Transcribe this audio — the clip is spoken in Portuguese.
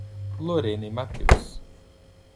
Lorena e Matheus